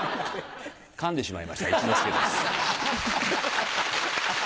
噛んでしまいました一之輔です。